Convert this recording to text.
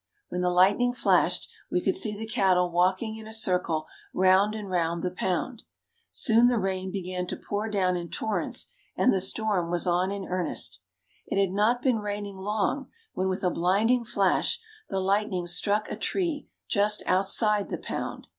When the lightning flashed we could see the cattle walking in a circle round and round the "pound." Soon the rain began to pour down in torrents and the storm was on in earnest. It had not been raining long when with a blinding flash the lightning struck a tree just outside the "pound."